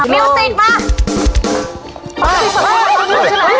เอาสิบมา